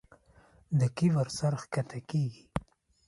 د کبر سر ښکته کېږي.